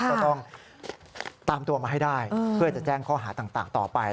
ก็ต้องตามตัวมาให้ได้เพื่อจะแจ้งข้อหาต่างต่อไป